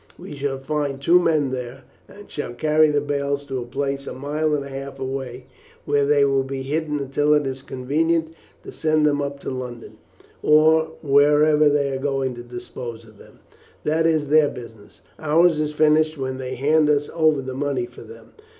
We shall find two men there, and shall carry the bales to a place a mile and a half away, where they will be hidden until it is convenient to send them up to London, or wherever they are going to dispose of them that is their business; ours is finished when they hand us over the money for them.